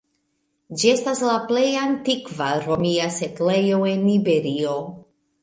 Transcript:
Ĝi estas la plej antikva romia setlejo en Iberio.